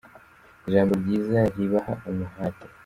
ijambo ryiza ribaha umuhate.